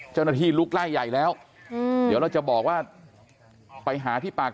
เจ้าหน้าที่ลุกไล่ใหญ่แล้วเดี๋ยวเราจะบอกว่าไปหาที่ปาก